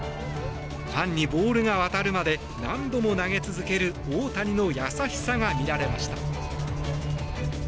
ファンにボールが渡るまで何度も投げ続ける大谷の優しさが見られました。